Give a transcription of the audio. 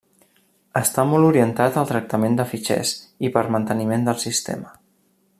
Està molt orientat al tractament de fitxers i per manteniment del sistema.